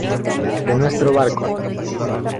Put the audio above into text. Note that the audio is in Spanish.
de nuestro barco .